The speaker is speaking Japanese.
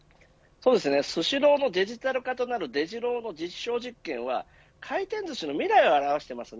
スシローのデジタル化となるデジローの実証実験は回転ずしの未来を表しています。